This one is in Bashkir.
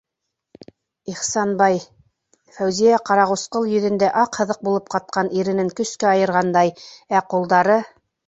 Ихсанбай, - Фәүзиә ҡарағусҡыл йөҙөндә аҡ һыҙыҡ булып ҡатҡан иренен көскә айырғандай, ә ҡулдары